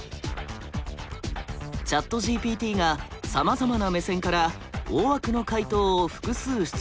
ＣｈａｔＧＰＴがさまざまな目線から大枠の回答を複数出力。